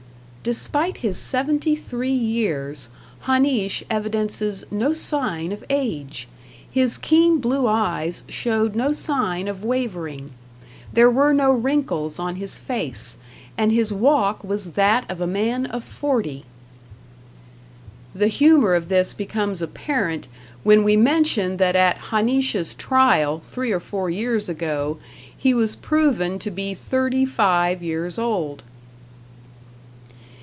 "Despite his seventy three years, Ha'nish evidences no sign of age. His keen blue eyes showed no sign of wavering. There were no wrinkles on his face, and his walk was that of a man of forty." The humor of this becomes apparent when we mention that at Ha'nish's trial, three or four years ago, he was proven to be thirty five years old!